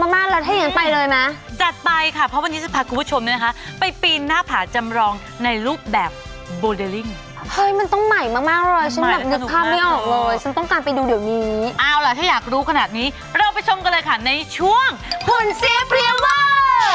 มันต้องใหม่มากเลยฉันแบบนึกภาพไม่ออกเลยฉันต้องการไปดูเดี๋ยวนี้เอาล่ะถ้าอยากรู้ขนาดนี้เราไปชมกันเลยค่ะในช่วงหุ่นเสียเพลียเวิร์ด